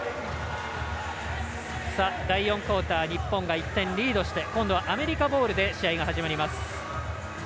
第４クオーター日本が１点リードして今度はアメリカボールで試合が始まります。